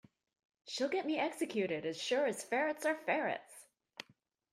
She’ll get me executed, as sure as ferrets are ferrets!